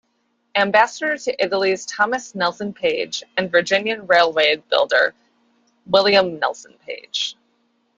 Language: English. Ambassador to Italy Thomas Nelson Page, and Virginian Railway builder William Nelson Page.